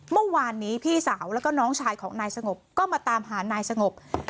เมื่อวานนี้พี่สาวแล้วก็น้องชายของนายสงบก็มาตามหานายสงบ